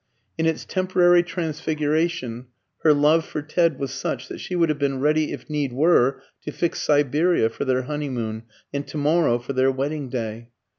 In its temporary transfiguration her love for Ted was such that she would have been ready, if need were, to fix Siberia for their honeymoon and to morrow for their wedding day.